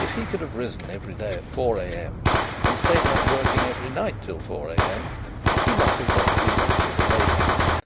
If he could have risen every day at 4 A.M. and stayed up working every night till 4 A.M. he might have got through most of the labour.